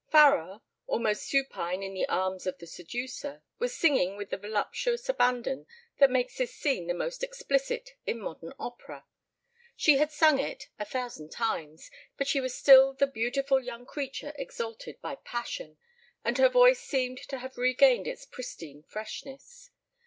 Farrar, almost supine in the arms of the seducer, was singing with the voluptuous abandon that makes this scene the most explicit in modern opera. She had sung it a thousand times, but she was still the beautiful young creature exalted by passion, and her voice seemed to have regained its pristine freshness.